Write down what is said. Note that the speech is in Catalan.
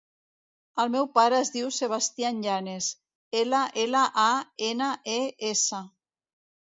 El meu pare es diu Sebastian Llanes: ela, ela, a, ena, e, essa.